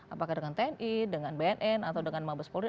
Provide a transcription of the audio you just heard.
apakah dengan tni dengan bnn atau dengan mabes polri